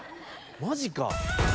マジか？